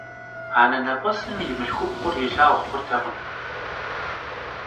Anenep'esım yi mılhxupxhur yilhağu xhurtekhım.